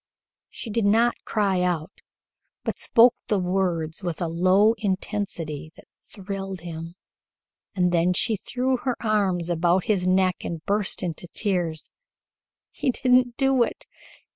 She did not cry out, but spoke the words with a low intensity that thrilled him, and then she threw her arms about his neck and burst into tears. "He didn't do it!